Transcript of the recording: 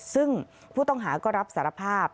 ซึ่งผู้ต้องหาก็รับสารภาพ